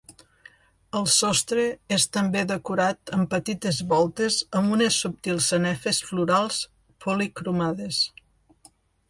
El sostre és també decorat amb petites voltes amb unes subtils sanefes florals policromades.